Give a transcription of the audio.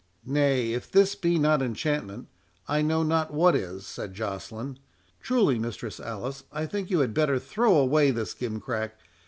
"Nay, if this be not enchantment, I know not what is," said Joceline. "Truly, Mistress Alice, I think you had better throw away this gimcrack.